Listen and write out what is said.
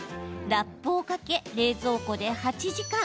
ラップをかけ冷蔵庫で８時間。